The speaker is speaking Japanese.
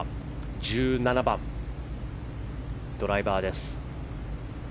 １７番、ドライバーです。